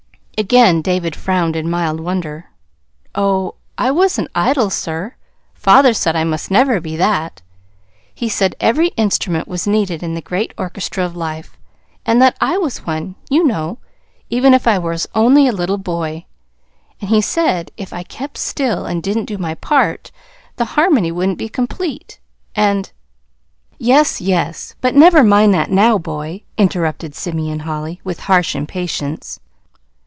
Again David frowned in mild wonder. "Oh, I wasn't idle, sir. Father said I must never be that. He said every instrument was needed in the great Orchestra of Life; and that I was one, you know, even if I was only a little boy. And he said if I kept still and didn't do my part, the harmony wouldn't be complete, and " "Yes, yes, but never mind that now, boy," interrupted Simeon Holly, with harsh impatience.